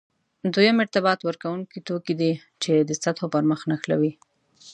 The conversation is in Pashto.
دویم ارتباط ورکوونکي توکي دي چې د سطحو پرمخ نښلوي.